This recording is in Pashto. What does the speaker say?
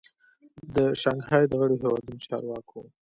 د شانګهای د غړیو هیوادو د چارواکو